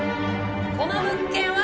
この物件は。